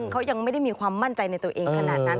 เขายังไม่ได้มีความมั่นใจในตัวเองขนาดนั้น